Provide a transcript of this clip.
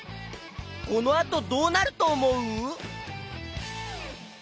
このあとどうなるとおもう？